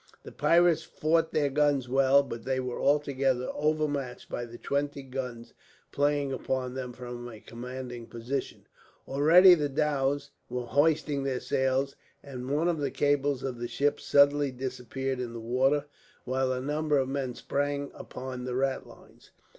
The pirates fought their guns well, but they were altogether over matched by the twenty guns playing upon them from a commanding position. Already the dhows were hoisting their sails, and one of the cables of the ship suddenly disappeared in the water, while a number of men sprang upon the ratlines.